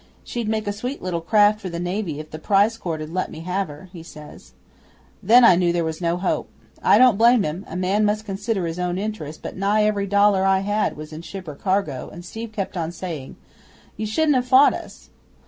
She'd make a sweet little craft for the Navy if the Prize Court 'ud let me have her," he says. 'Then I knew there was no hope. I don't blame him a man must consider his own interests, but nigh every dollar I had was in ship or cargo, and Steve kept on saying, "You shouldn't have fought us."